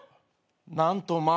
なんとまぁ。